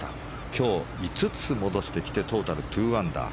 今日、５つ戻してきてトータル２アンダー。